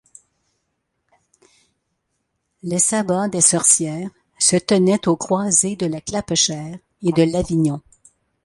Les sabbats des sorcières se tenaient aux croisées de la Clapechère et de Lavignon.